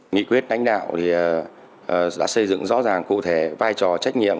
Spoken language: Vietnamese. nghị quyết đánh đạo thì đã xây dựng rõ ràng cụ thể vai trò trách nhiệm